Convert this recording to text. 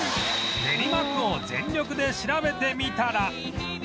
練馬区を全力で調べてみたら